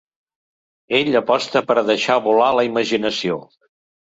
Ell aposta per deixar volar la imaginació.